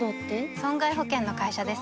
損害保険の会社です